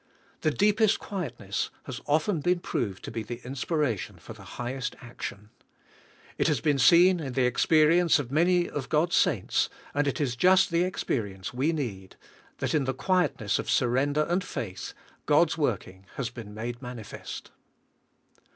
The deepest quietness has often been proved to be the inspiration for the highest action. It has been seen in the experience of many of God's saints, and it is just the experience we need, — that in the quietness of surrender and faith, God's working has been made manifest.